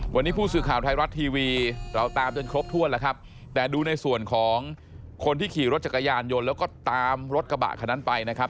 วันนี้ผู้สื่อข่าวไทยรัฐทีวีเราตามจนครบถ้วนแล้วครับแต่ดูในส่วนของคนที่ขี่รถจักรยานยนต์แล้วก็ตามรถกระบะคนนั้นไปนะครับ